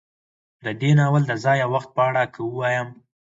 د دې ناول د ځاى او وخت په اړه که وايم